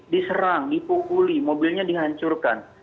diserang dipukuli mobilnya dihancurkan